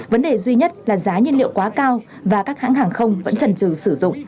vấn đề duy nhất là giá nhiên liệu quá cao và các hãng hàng không vẫn trần trừ sử dụng